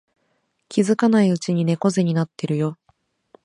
気づかないうちに猫背になってるよ